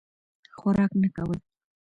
خوراک نه کول.